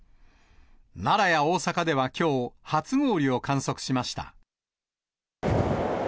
奈良や大阪ではきょう、初氷を観測しました。